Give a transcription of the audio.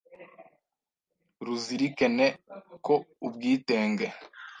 ruzirikene ko ubwitenge